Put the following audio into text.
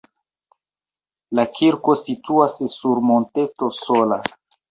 La kirko situas sur monteto sola.